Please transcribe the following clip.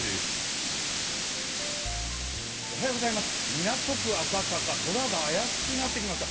港区赤坂、空が怪しくなってきました。